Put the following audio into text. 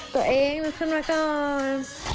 ตัวเองมันขึ้นมาก่อน